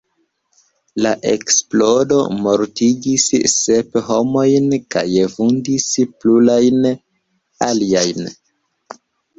La eksplodo mortigis sep homojn kaj vundis plurajn aliajn.